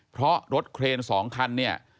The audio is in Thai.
เพราะรถเครน๒คันเนี่ย